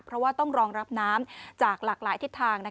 เพราะว่าต้องรองรับน้ำจากหลากหลายทิศทาง